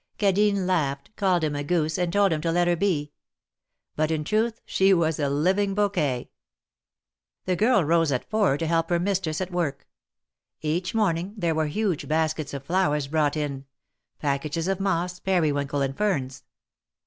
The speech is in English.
Cadine laughed, called him a goose, and told him to let her be. But in truth she was a living bouquet. THE MARKETS OF PARIS. 189 The girl rose at four to help her mistress at her work. Each morning there were huge baskets of flowers brought in ; packages of moss, periwinkle and ferns.